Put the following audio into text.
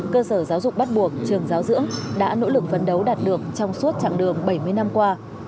cơ sở giáo dục bắt buộc trường giáo dưỡng đã nỗ lực phấn đấu đạt được trong suốt chặng đường bảy mươi năm qua